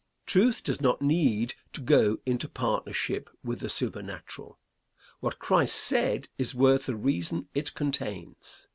Truth does not need to go into partnership with the supernatural. What Christ said is worth the reason it contains.